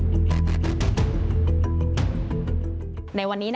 วัดไล่แตงทองจังหวัดนครปฐม